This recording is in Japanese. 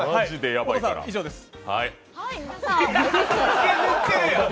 以上です。